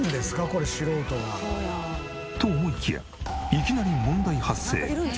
これ素人が。と思いきやいきなり問題発生。